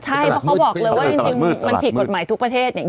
ใช่เพราะเขาบอกเลยว่าจริงมันผิดกฎหมายทุกประเทศเนี่ย